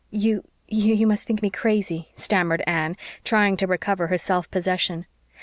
"You you must think me crazy," stammered Anne, trying to recover her self possession.